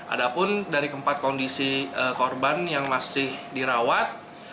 ada pun dari keempat kondisi korban yang masih dirawat